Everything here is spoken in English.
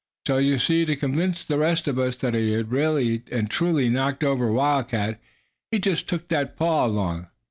So you see, to convince the rest of us that he'd really and truly knocked over a wildcat, he just took that paw along.